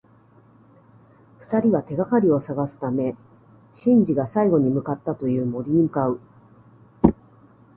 二人は、手がかりを探すためシンジが最後に向かったという森へ向かう。